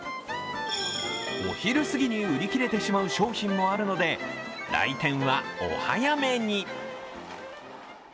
お昼過ぎに売り切れてしまう商品もあるので来店はお早めに。